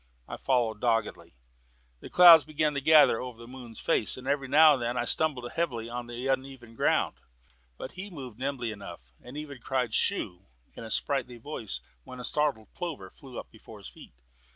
I followed doggedly. Clouds began to gather over the moon's face, and every now and then I stumbled heavily on the uneven ground; but he moved along nimbly enough, and even cried "Shoo!" in a sprightly voice when a startled plover flew up before his feet.